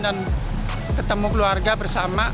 dan ketemu keluarga bersama